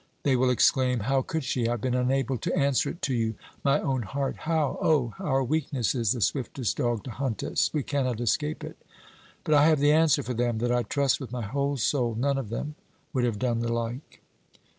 They will exclaim, How could she! I have been unable to answer it to you my own heart. How? Oh! our weakness is the swiftest dog to hunt us; we cannot escape it. But I have the answer for them, that I trust with my whole soul none of them would have done the like.'